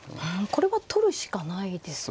これは取るしかないですか。